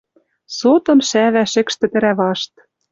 Сотым шӓвӓ шӹкш-тӹтӹрӓ вашт.